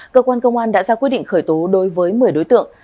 cơ quan công an đã ra quyết định khởi tố đối với một mươi đối tượng